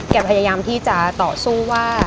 พยายามที่จะต่อสู้ว่า